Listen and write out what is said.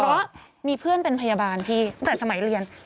เพราะมีเพื่อนเป็นพยาบาลพี่ตั้งแต่สมัยเรียน